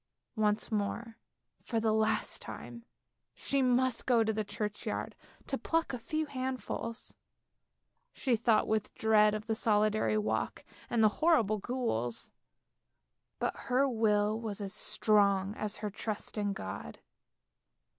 Once more, for the last time, she must go to the churchyard to pluck a few handfuls. She thought with dread of the solitary walk and the horrible ghouls; but her will was as strong as her trust in God.